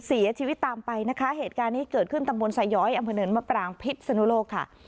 เสียชีวิตตามไปนะคะเหตุการณ์นี้เกิดขึ้นตำบลสาย้อยอำเภอเนินมะปรางพิษสนุโลกค่ะ